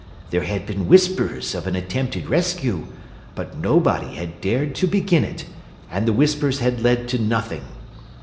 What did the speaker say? There had been whispers of an attempted rescue, but nobody had dared to begin it, and the whispers had led to nothing.